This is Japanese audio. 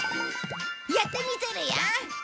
やってみせるよ！